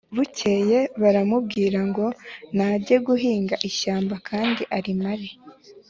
bukeye baramubwira ngo najye guhinga ishyamba kandi arimare